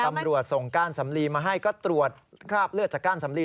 ตำรวจส่งก้านสำลีมาให้ก็ตรวจคราบเลือดจากก้านสำลี